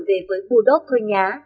về với phù đốc thôi nhá